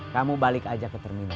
kamu balik aja ke terminal